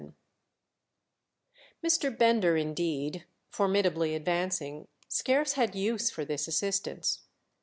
VII Mr. Bender indeed, formidably advancing, scarce had use for this assistance.